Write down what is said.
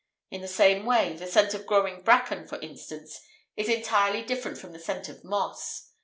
In the same way, the scent of growing bracken—for instance—is entirely different from the scent of moss.